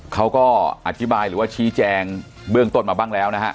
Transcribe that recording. เขาก็อธิบายหรือว่าชี้แจงเบื้องต้นมาบ้างแล้วนะฮะ